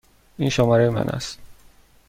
این شماره من است.